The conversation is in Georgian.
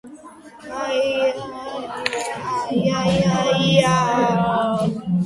ჰაიდელბერგის უნივერსიტეტში ეზიარა გერმანულ ისტორიულ და იურიდიულ მეცნიერებებს და გახდა „ტევტონური თავისუფლების“ მხარდამჭერი.